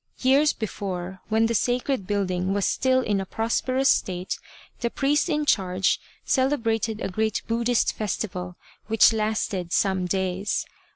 Years before, when the sacred building was still in a prosperous state, the priest in charge celebrated a great Buddhist festival, which lasted some days.